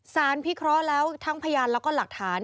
พิเคราะห์แล้วทั้งพยานแล้วก็หลักฐาน